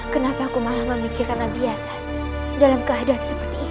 kenapa aku malah memikirkan abiasa dalam keadaan seperti ini